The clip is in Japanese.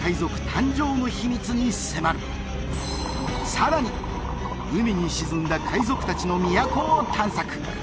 さらに海に沈んだ海賊達の都を探索